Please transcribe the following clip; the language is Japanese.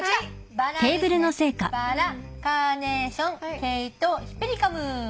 バラカーネーションケイトウヒペリカム。